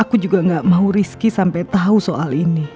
aku juga gak mau rizky sampai tahu soal ini